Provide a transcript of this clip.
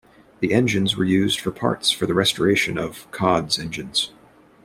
The engines were used for parts for the restoration of "Cod"'s engines.